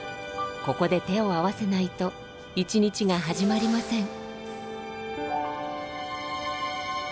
ここで手を合わせないと一日が始まりません。